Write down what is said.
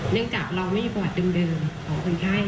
เนื่องจากเราไม่มีประวัติเดิมของคนไทย